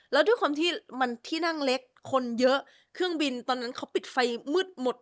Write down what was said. แล้วด้วยความที่มันที่นั่งเล็กคนเยอะเครื่องบินตอนนั้นเขาปิดไฟมืดหมด